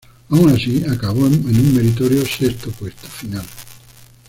Aun así, acabó en un meritorio sexto puesto final.